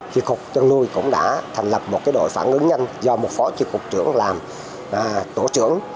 chị cục chăn nuôi cũng đã thành lập một đội phản ứng nhanh do một phó chị cục trưởng làm tổ trưởng